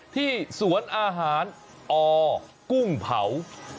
ที่สวนอาหารอกุ้งเผา